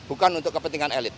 bukan untuk kepentingan elit